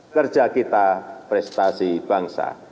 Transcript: kerja kita prestasi bangsa